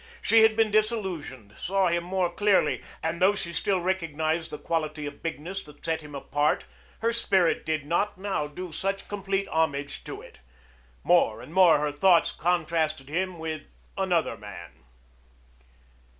She had been disillusioned, saw him more clearly; and though she still recognized the quality of bigness that set him apart, her spirit did not now do such complete homage to it. More and more her thoughts contrasted him with another man.